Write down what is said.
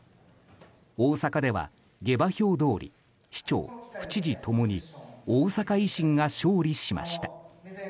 大阪では下馬評どおり市長、府知事共に大阪維新が勝利しました。